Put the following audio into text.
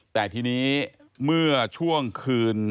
แต่ทีนี้เมื่อช่วงคืน